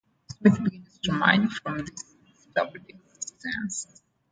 Smith begins to emerge from his disturbed existence.